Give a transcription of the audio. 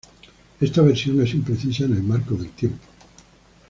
Esta versión es imprecisa en el marco del tiempo.